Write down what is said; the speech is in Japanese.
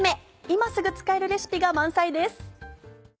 今すぐ使えるレシピが満載です。